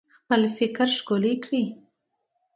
خپل فکر ښکلی کړئ